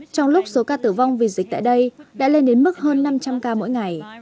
trong lúc số ca tử vong vì dịch tại đây đã lên đến mức hơn năm trăm linh ca mỗi ngày